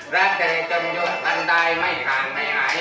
รักเธอจนยุ่นมันตายไม่ห่างไม่หาย